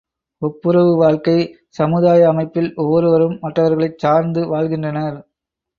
ஒப்புரவு வாழ்க்கை சமுதாய அமைப்பில் ஒவ்வொருவரும் மற்றவர்களைச் சார்ந்து வாழ்கின்றனர்.